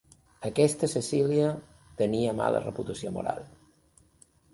Aquesta Cecília tenia mala reputació moral.